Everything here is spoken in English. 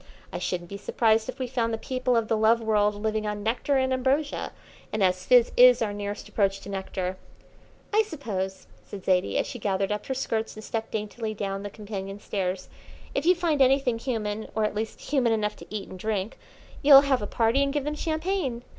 I shouldn't be surprised if we found the people of the Love World living on nectar and ambrosia, and as fizz is our nearest approach to nectar " "I suppose," said Zaidie, as she gathered up her skirts and stepped daintily down the companion stairs, "if you find anything human, or at least human enough to eat and drink, you'll have a party and give them champagne.